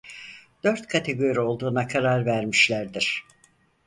Dört kategori olduğuna karar vermişlerdir.